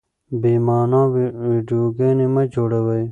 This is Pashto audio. بې مانا ويډيوګانې مه جوړوئ.